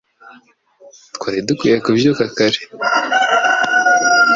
Twari dukwiye kubyuka kare